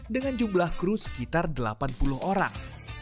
dengan jumlah kru sekitar delapan puluh orang